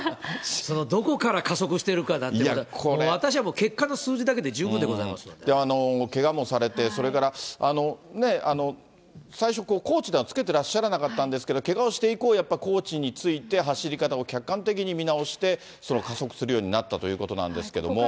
その、どこから加速しているかなんて、私はもう結果の数字だけで十分でけがもされて、それから最初、コーチはつけてらっしゃらなかったんですが、けがをして以降、やっぱりコーチについて走り方を客観的に見直して、加速するようになったということなんですけれども。